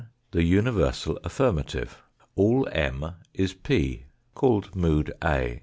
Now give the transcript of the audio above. The universal affirmative ; all M is p, called mood A.